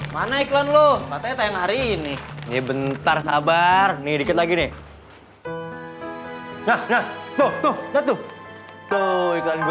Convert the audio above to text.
mana iklan lo batang hari ini bentar sabar nih kita gini nah tuh tuh tuh itu itu itu itu itu